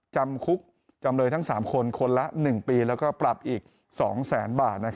จำคุกจำเลยทั้ง๓คนคนละ๑ปีแล้วก็ปรับอีก๒แสนบาท